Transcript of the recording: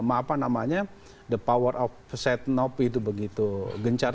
apa namanya the power of setnopy itu begitu gencar